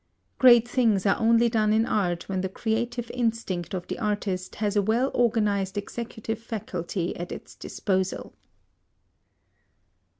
Great things are only done in art when the creative instinct of the artist has a well organised executive faculty at its disposal.